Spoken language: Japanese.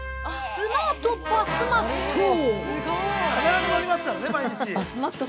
スマートバスマット！